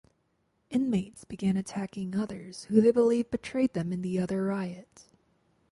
Inmates began attacking others who they believed betrayed them in the other riot.